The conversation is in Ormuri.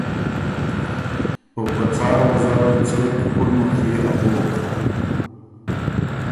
او په څار وزره ل څېک پُړمُخيې اغوک